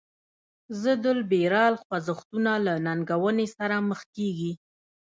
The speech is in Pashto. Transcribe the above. ضد لیبرال خوځښتونه له ننګونې سره مخ کیږي.